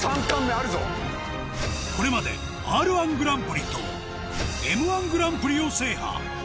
これまで『Ｒ−１ぐらんぷり』と『Ｍ−１グランプリ』を制覇